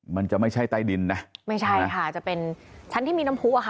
มันจะไม่ใช่ใต้ดินนะไม่ใช่ค่ะจะเป็นชั้นที่มีน้ำผู้อะค่ะ